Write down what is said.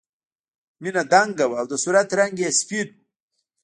مینه دنګه وه او د صورت رنګ یې سپین و